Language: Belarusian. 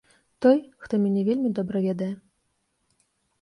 Той, хто мяне вельмі добра ведае.